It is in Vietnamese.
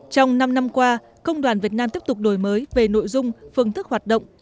trong năm năm qua công đoàn việt nam tiếp tục đổi mới về nội dung phương thức hoạt động